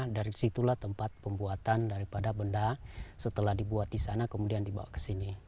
dari situlah tempat pembuatan daripada benda setelah dibuat di sana kemudian dibawa ke sini